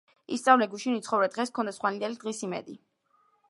ისწავლე გუშინ, იცხოვრე დღეს, გქონდეს ხვალინდელი დღის იმედი…